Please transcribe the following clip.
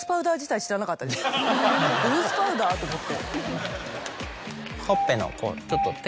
「ルースパウダー？」と思って。